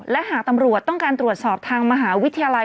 และหากตำรวจต้องการตรวจสอบทางมหาวิทยาลัย